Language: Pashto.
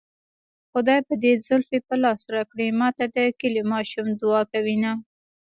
خدای به دې زلفې په لاس راکړي ماته د کلي ماشومان دوعا کوينه